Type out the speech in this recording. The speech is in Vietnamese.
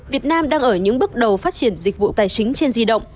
việt nam đang ở những bước đầu phát triển dịch vụ tài chính trên di động